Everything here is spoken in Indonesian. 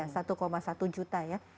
sekarang ya satu satu juta ya